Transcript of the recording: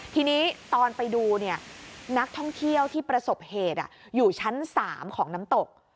ทีนี้ตอนไปดูนักท่องเที่ยวที่ประสบเหตุอยู่ชั้น๓ของน้ำตก